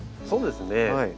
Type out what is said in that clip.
そうですね